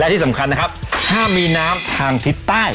ที่สำคัญนะครับถ้ามีน้ำทางทิศใต้